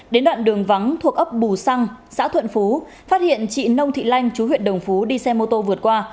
đến đoạn đường vắng thuộc ấp bù xăng xã thuận phú phát hiện chị nông thị lanh chú huyện đồng phú đi xe mô tô vượt qua